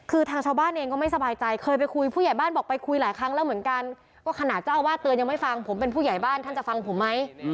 คือทางชาวบ้านเองก็ไม่สบายใจเคยไปคุยผู้ใหญ่บ้านบอกไปคุยหลายครั้งแล้วเหมือนกันก็ขนาดเจ้าอาวาสเตือนยังไม่ฟังผมเป็นผู้ใหญ่บ้านท่านจะฟังผมไหม